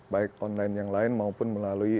baik online yang lain maupun melalui